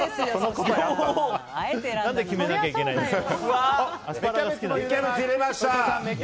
何で決めなきゃいけないんですか。